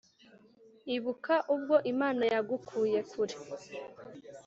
Ibuka ubwo Imana yagukuye kure